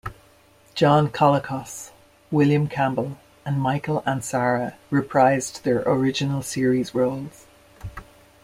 John Colicos, William Campbell, and Michael Ansara reprised their original series roles.